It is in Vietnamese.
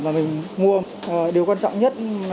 mà người mua điều quan trọng nhất